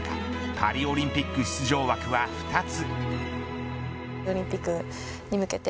パリオリンピック出場枠は２つ。